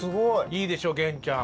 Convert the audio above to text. いいでしょ源ちゃん。